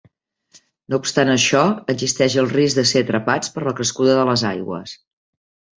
No obstant això existeix el risc de ser atrapats per la crescuda de les aigües.